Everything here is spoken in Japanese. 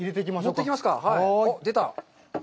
持っていきますか。出た。